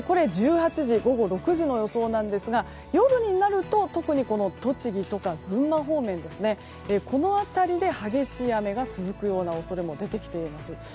午後６時の予想なんですが夜になると特に、この栃木とか群馬方面この辺りで激しい雨が続くような恐れも出てきています。